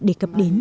đề cập đến